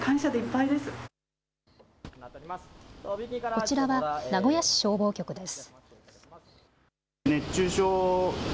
こちらは名古屋市消防局です。